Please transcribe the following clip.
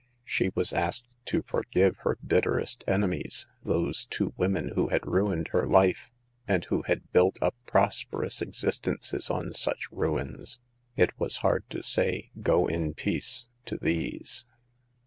She was asked to forgive her bitterest enemies, those two women who had ruined her life, and who had built up prosperous existences on such ruins. It was hard to say Go in peace " to these.